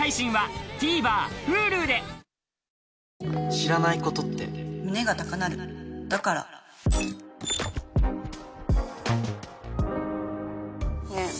知らないことって胸が高鳴るだからねぇ